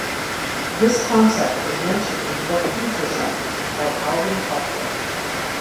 This concept is mentioned in the book Future Shock, by Alvin Toffler.